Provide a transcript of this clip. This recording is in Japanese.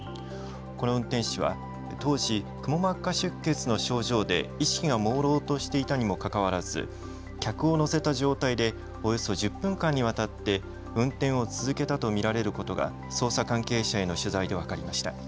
この運転手は当時、くも膜下出血の症状で意識がもうろうとしていたにもかかわらず客を乗せた状態でおよそ１０分間にわたって運転を続けたと見られることが捜査関係者への取材で分かりました。